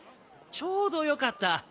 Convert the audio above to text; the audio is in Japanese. ちょうどよかった。